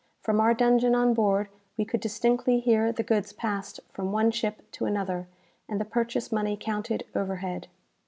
From our dungeon on board we could distinctly hear the goods passed from one ship to another, and the purchase money counted overhead."